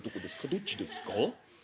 どっちですか？」。